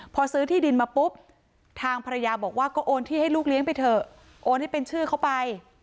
พอซื้อที่ดินมาปุ๊บทางภรรยาบอกว่าก็โอนที่ให้ลูกเลี้ยงไปเถอะโอนให้เป็นชื่อเขาไป